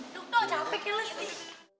duk tuh gak capek ya lo sih